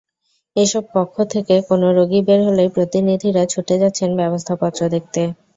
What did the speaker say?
এসব কক্ষ থেকে কোনো রোগী বের হলেই প্রতিনিধিরা ছুটে যাচ্ছেন ব্যবস্থাপত্র দেখতে।